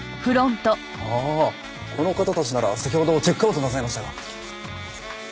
ああこの方たちなら先ほどチェックアウトなさいましたが。